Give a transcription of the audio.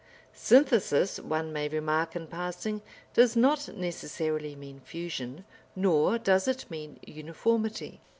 Synthesis, one may remark in passing, does not necessarily mean fusion, nor does it mean uniformity.